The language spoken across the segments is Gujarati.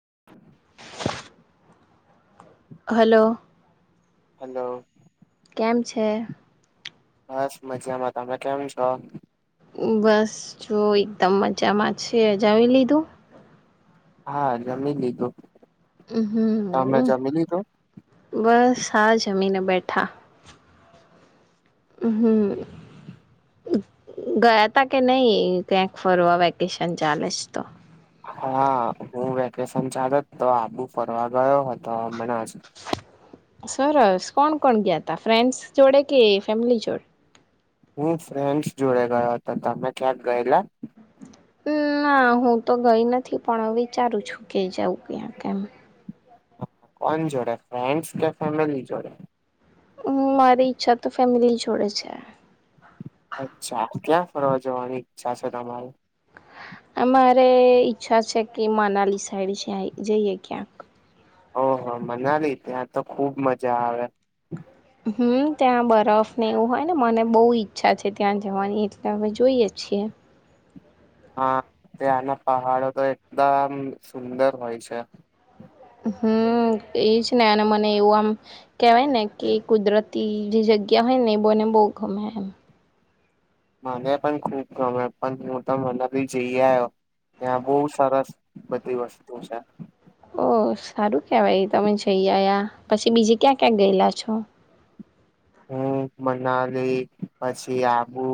[inaudible] હલો હલો કેમ છે? બસ મજામાં તમે કેમ છો? બસ જો એકદમ મજામાં છેજાવી લીધું. હા જમી લીધું. તમે હમ્મ જમી લીધું બસ આા જમીને બેઠા. હમ્મ ગયા તા કે નહી ક્યાંક ફરવા વેકેશન ચાલે જ તો. હા, હું વેકેશન ચાાલ જ તો આબુ ફરવા ગયો હતો મનેજ. સરસ કોણ કોણ ગયા ત ફ્રેન્ડસ જોડે કે ફેમિલી જોડે? હું ફ્રેન્ડસ જોડે ગયો હતો તમે ક્યાંક ગયેલા? ના હું તો ગઈ નથી પણ વિચારું છું, કે જઉં ક્યાં કેમ. કોણ જોડે ફ્રેન્ડસ કે ફેમિલી જોડે? હમ મારી ઈચ્છા તો ફેમિલી જોડે છે. અચ્છા ક્યાં ફરવા જોવાની ઈછા છે તમારે. અમારે ઈચ્છા છે કે મનાલી સાઈડ જઈએ ક્યાંક. ઓહ મનાલી ત્યાં તો ખુબ મજા આવે, હમ્મ ત્યા બરફ ને એવું હોય ને મને બહુ ઈચ્છા છે, ત્યાં જવાની એટલે અમે જોઈએ છીએ. હા, ત્યાંના પહાડો તો એકદમ સુંદર હોય છે. હમ્મ એજ ને અને મને એવું આમ કેવાય ને કે કુદરતી. જગયા હોયને બને બૌ ઘમ એમ. મને પણ ખુબ ગમે પણ હું તો મને ભી જઈ આ્યો. ત્યાં બહુ સારા બધી વસ્તુ છે. ઓ સારું કેવાય તમે જઈ આ્યા પછી બીજે ક્યાં ક્યાં ગયેલા છો? [inaudible] હમ્મ મનાલી પછી આબુ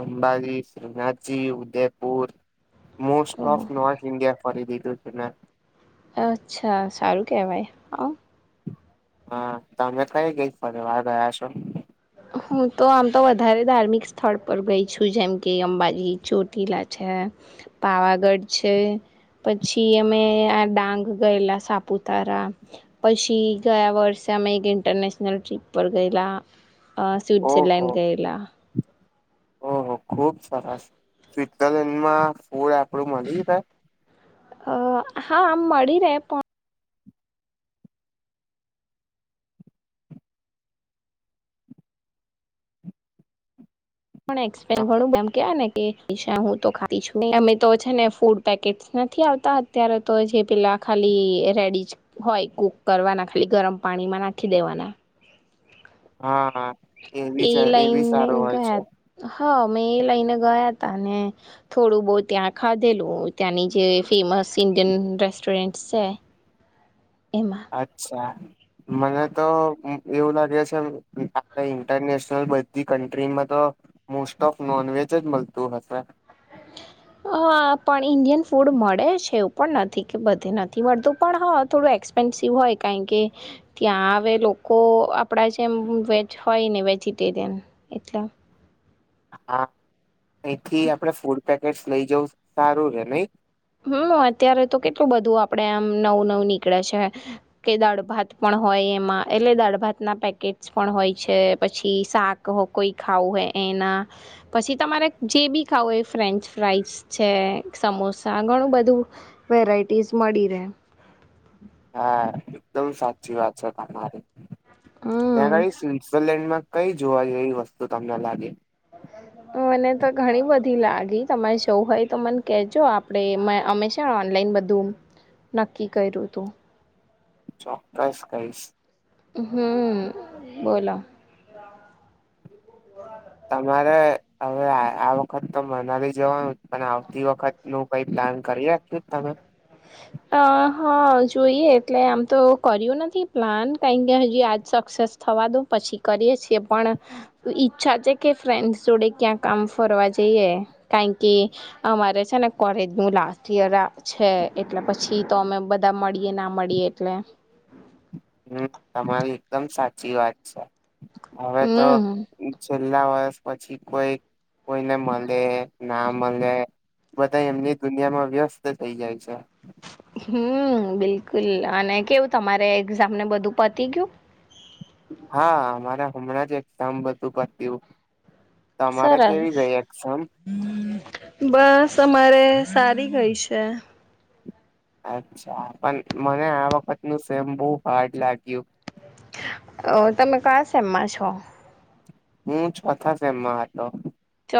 અંબાલી Shrinathji Udaipur. Most oh of north India ફરી દીધું છે ને. અચ્છા સારું કેવાય. હા, તમે કઈ ગઈ ફરી વાર ગયા છો. હું તો આમ તો વધારે ધાર્મિક સ્થળ પર ગઈ છું, જેમ કે અંબાજી ચોટીલા. છે પાવાગઢ છે. પછી અમે આ ડાંગ ગયેલા સાપુતારા પછી ગયા વર્ષ તેમાં એક ઇન્ટરનશનલ ટ્રિપ પર ગયેલા અ ઓહો સ્વિટ્ઝરલેન્ડ ગયેલા ઓહો ખુબ સરસ સ્વિટ્ઝરલેન્ડ માં ફૂડ આપડું મલી રહે અ હા આમ મળી રહે પ પણ એક્સપેન ઘણું કે [unintelligible] હું તો ખાી છું અમે તો છે ને ફૂડ પેકેટ નથી આવતા અત્યારે તો જે પેલા ખાલી રેડી હોય કુક કરવાના ખાલી ગરમ પાણીમાં નાખી દેવાના. હા એવી એ જ એવી લઈનને સારું હોય છે ગયા હ અમે એ લઈને ગયા તા અને થોડું બો‌ ત્યાં ખાધેલું ત્યાંની જે ફેમસ ઇન્ડિયન રેસ્ટરેન્ટ છે. એમાં અચ્છા મને તો એવું લાગે છે આ ઈન્ટરનેશનલ બધી કન્ટ્રીમાં તો મોસ્ટ ઓફ નોન વેજ જ મલતું હશે. [unintelligible] હા પણ ઇન્ડિયન ફૂડ મળે છે એવું પણ નથી કે બધે નથી મળતું પણ હા થોડું એ એક્સપેન્સિવ હોય કારણ કે ત્યાં હવે લોકો આપડા જેમ વેજ હોય ને વેજ વજિટેરિયન એટલે હા અહીથી આપડે ફૂડ પેકેટ લઈ જવું સારું રે નઈ હમ અત્યારે તો કેટલું બધું આપડે આમ નવું નવું નીકળે છે કે દાળ ભાત પણ હોય એમાં એટલે દાળ ભાત ના પેકેટસ પણ હોય છે પછી શાક કોઈ ખાવું હોય પછી તમારે જે બી ખાવું એ ફ્રેન્ચ ફ્રાઈસ છે સમો સા ઘણું બધું વેરાયટીસ મળી રહે હા એકદમ સાચી વાત છે તમારી હમ્મ. ત્યાં આગળી સ્વિઝરલેન્ડમાં કઈ જોવા જેવી વસ્તુ તમને લાગી મને તો ઘણી લાગી તમે સૌ હોય તો મને કેજો આપે હંમેશા ઓનલાઈન બધું નક્કી કર્યું તું ચોક્કસ કઈશ હમ બોલો [unintelligible] તમારે હવે આ વખત તો મનાલી જવાનું પણ આવતી વખત નું કઈ પ્લાન કરી નાખ્યું તમે [inaudible] અ હા જોઈએ એટલે આમ તો કર્યું નથી પ્લાન કારણ કે હજી આજ સક્સેસ થાય. વાદો પછી કરીએ છીએ પણ ઈચ્છા છે કે ફ્રેન્ડ જોડે ક્યાં આમ ફરવા જઈ એ કારણ કે અમારે છે ને કોલેજ નું લાસ્ટ ઈયર છે. એટલે પછી તો અમે બધા મળીએ ના મળીએ એટલે. હમ તમારી એકદમ સાચી વાત છે‌ હવે તો હમ છેલ્લા વર્ષ પછી કોઈ કોઈને મલે ના મલે બધા એમની દુનિયામાં વ્યસ્ત થઈ જાય છે. હમ બિલકુલ અને કેવું તમારે એક્ઝામ ને બધું પતી ગયું કામ બધુ પત્યું તમારે સરસ કેવી ગઈ એક્ઝામ બસ અમારે સારી ગઈ છે. અચ્છા પણ મને આ વખત નું સેમ બહુ હાર્ડ લાગ્યું. અ તમે કયા સેમ માં છો. હું‌ ચોથા સેમ માં હતો.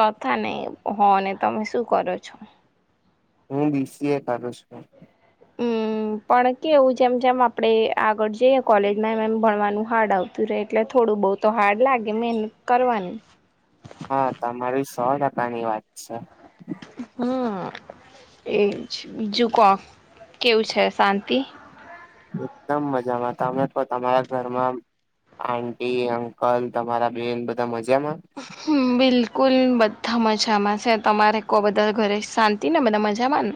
ચોથા ને હો ને તમે શું કરો છો. હું બીસીએ કરું છું. હમ પણ કેવું જેમ જેમ આપડે આગળ જઈએ કોલેજમાં એમ એમ ભણવાનું હાર્ડ આવતું રહે એટલે થોડુંક. બહુ તો હાર્ડ લાગે મહેનત કરવાની. હા, તમારી સો ટકાની વાત છે. હમ એજ બીજુ કો કેવું છે. શાંતિ એકદમ મજામાં તમે તો તમારા ઘરમાં. આંટી અંકલ તમારા બેન બધા મજા મા હમ બિલકુલ કૂલ બધા મજામાં છે. તમારે કો બધા ઘરે શાંતિ ને બધા મજામાં ને.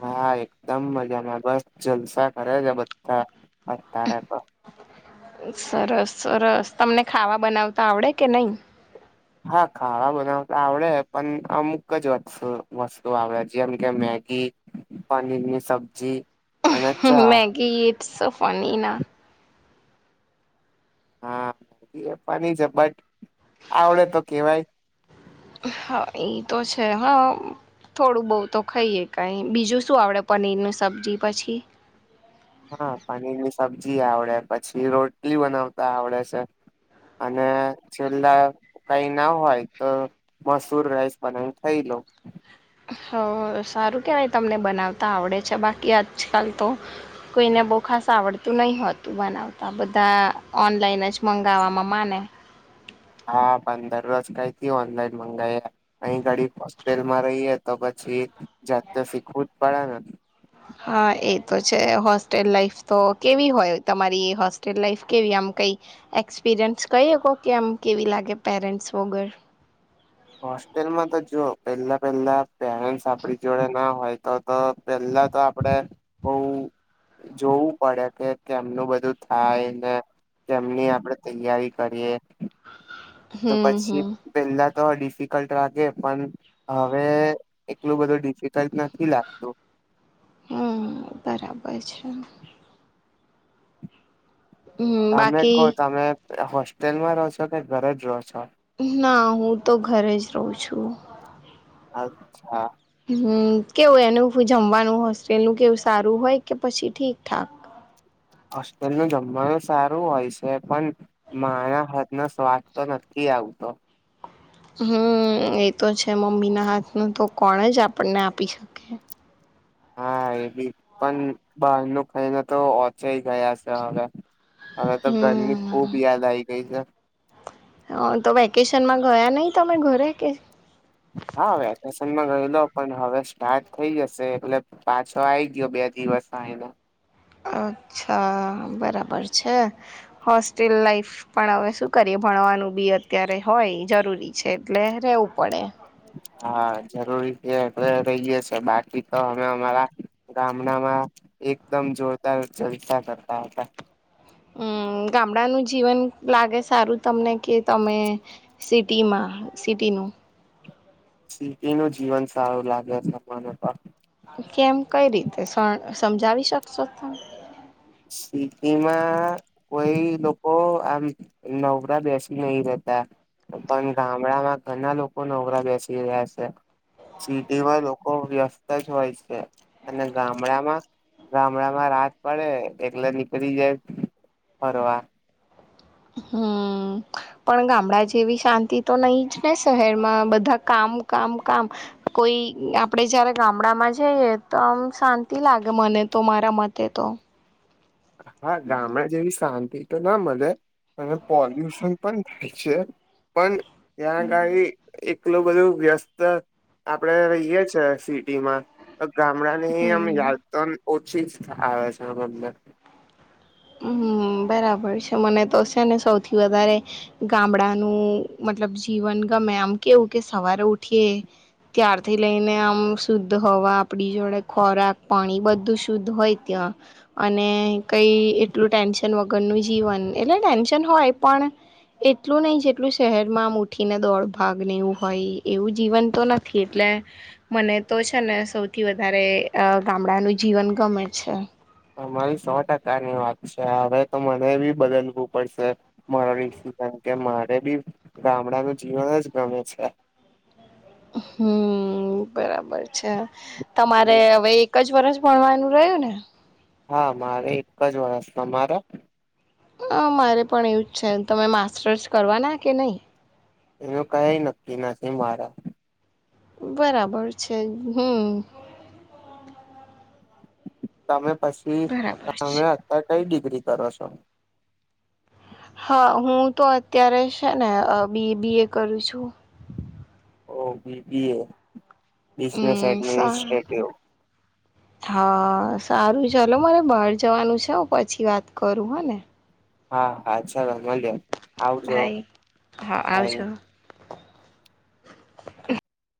હા એકદમ મજામાં બસ જલસા કરે છે. બધા બતાર તો સરસ સરસ તમને ખાવા બનાવતા આવડે કે નહી. હા, ખાવાનુ બનાવતા આવડે પણ અમુક જ વસ્તુ આવડે જેમ કે મેગી. પનીર ની સબ્જી. અને ચા મેગી ઇટસ ફની ના. હા એ પણ છે. બટ આવડે તો કેવાય. હા એઈ તો છે. હા થોડું બહુ તો ખાઈએ કઈ બીજું શું આવડે પનીર ન સબ્જી પછી. હા પનીરની સબ્જી આવડે પછી રોટલી બનાવતા આવડે છે. અને છેલ્લા કંઈ ના હોય, તો મસૂર રાઈસ બના થઈ લે. હલો. હ, સારું કેહેવાય. તમને બનાવતા આવડે છે? બાકી આજકાલ તો કોઈને બો ખાસ આવડતું નહીં હોતું. બનાવતા બધા ઓનલાઈન જ મંગાવવામાં માને. [unintelligible] હા, પંદરરોજ કઈથી ઓનલાઈન મંગાવી એ? અહીં ઘડી હોસ્ટેલમાં રહીએ, તો પછી પછી જાતે શીખવું જ પડે ને? હા, એ તો છે. હોસ્ટેલ લાાઈફ તો કેવી હોય? તમારી હોસ્ટેલ લાઈફ કેવી આમ? કંઈ એક્સપિરિયન્સ કંઈ શકો કે આમ કેવી લાગે? પેરેન્ટ્સ વગર? હોસ્ટેલમાં તો જો પેલા પેલા પેરેન્ટ્સ આપડી જોડે ના હોય, તો તો પેલા તો આપડે બહુ જોવું પડે કે કે એમનું બધું થાય ને? કેમની આપડે તૈયારી કરીએ, તો હમ પછી હમ પેલા તો ડિફિકલ્ટ લાગે, પણ હવે એટલું બધું ડિફિકલ્ટ નથી લાગતું. હમ, બરાબર છે. હમ તમે કહો, બાકી તમે હોસ્ટેલમાં રહો છો કે ઘર જ રહો છો? ના, હું તો ઘરે જ રહું છું. અચ્છા. હમ, કેવું? એનું જમવાનું હોસ્ટેલ નું કેવું? સારું હોય કે પછી ઠીકઠાક? હોસ્ટેલ ન જમવાનું સારું હોય છે, પણ મારા હાથ ન સ્વાદ તો નથી. આવું તો [unintelligible] હમ, એતો છે. મમ્મીના હાથ ન તો કોણ જ આપણને આપી શકે? હા, એ બી. પણ બહારનું ખાઈને તો ઓચા ગયા છે હવે. હવે, તો ધર ની હમ ખુબ યાદ આવી ગઈ છે. હા, તો વેકેશનમાં ગયા નહીં તમે ઘરે કે? હા, વેકેશનમાં ગયલો, પણ હવે સ્ટાર્ટ થઈ જશે, એટલે પાછો આવી ગયો બે. દિવસ એલા અચ્છા, બરાબર. પર છે, હોસ્ટેલ લાાઈફ. પણ હવે શું કરીએ, ભણવાનું બી અત્યારે હોય, જરૂર. જરૂરી છે, એટલે રહેવું પડે. હા, જરૂરી છે. હવે રહીએે છે, બાકી તો અમે અમારા ગામડામાં એકદમ જોરદાર ચર્ચા કરતા હતા. હમ. ગામડાનું જીવન લાગે સારું તમને, કે તમે સિટીમાં સિટી? નવ સીટી નું જીવન સારું લાગે છે મને પણ. કેમ, કઈ રીતે સમ સમજાવી શકશો તો? સિટીમાં કોઈ લોકો આમ નવરા બેસી નહી રહેતા. પણ ગામડામાં ઘણા લોકો નવરા બેસી રહ્યા છે. સિટીમાં લોકો વ્યસ્ત જ હોય છે, અને ગામડામાં ગામડા માં રાત પડે, એકલે નીકળી જાય ફરવા. હમ, પણ ગામડા જેવી શાંતિ તો નહીં જ ને. શહેરમાં બધા કામ. કામ, કામ. કોઈ આપડે જયારે ગામડા માં જઈએ, તો આમ શાંતિ લાગે મને. અને તો મારા મતે તો હા, ગામડે જેવી શાંતિ તો ના મળે. અને પોલ્યુશન પણ છે. પણ ત્યા ગાડી એકલુ બધું વ્યસ્ત આપડે રહીએ છે, સિટી માં તો ગામડા ની આમ હમ યાદ તો ઓછી આવે છેને? હમ બરાબર છે મને તો છે ને સૌથી વધારે ગામડાનું મતલબ જીવન ગમે આમ કેવું કે સવારે ઉઠીએ ત્યારથી લઈને આમ શુદ્ધ હવા આપડી જોડે ખોરાક પાણી બધું શુદ્ધ હોય ત્યાં અને કઈ એટલું ટેન્શન વગરનું જીવન એટલે ટેન્શન હોય પણ એટલું નહી જેટલું શહેરમાં આમ ઉઠીને દોડ ભાગને એવું હોય એવું જીવન તો નથી એટલે મને તો છે ને સૌથી વધારે અ ગામડાનું જીવન ગમે છે અમારી સો ટકા ની વાત છે હવે તો મને બી બદલવું પડશે [unintelligible] મારે બી ગામડાનું જીવન જ ગમે છે હમ બરાબર છે તમારે હવે એક જ વર્ષ ભણવાનું રહ્યું ને હા મારે એક જ વર્ષ તમારા અ મારે પણ એવું જ છે તમે માસ્ટર્સ કરવાના કે નહી એનું કઈ નક્કી નથી મારા બરાબર છે હમ તમે પછી બરાબર છે તમે અત્યારે કઈ ડિગ્રી કરો છો હા હું તો અત્યારે છે ને અ બી બી એ કરું છું ઓ બીબીએ બિઝનેસ હમ એડમિનિસ્ટ્રેટિવ હા સારું ચાલો મને બહાર જવાનું છે હું પછી વાત કરું હને હા હા ચાલો મલ્યે આવજો ભાઈ હા બાય આવજો [inaudible] [inaudible]